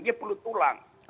dia perlu tulang